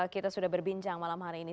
kita sudah berbincang malam hari ini